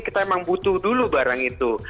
kita emang butuh dulu barang itu